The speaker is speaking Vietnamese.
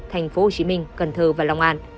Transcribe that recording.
thành phố hồ chí minh cần thơ và long an